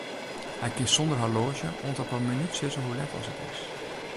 Hy kin sonder horloazje oant op 'e minút sizze hoe let as it is.